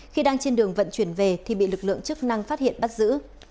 khi đang trên đường vận chuyển về thì bị lực lượng chức năng phát hiện bắt giữ